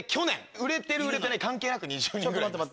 売れてる売れてない関係なく２０人ぐらいいます。